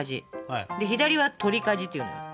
左は取りかじっていうのよ。